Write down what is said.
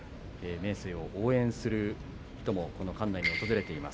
明生を応援する人もこの館内に訪れています。